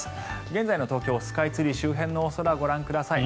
現在の東京スカイツリー周辺のお空ご覧ください。